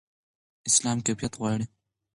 اسلام کیفیت غواړي.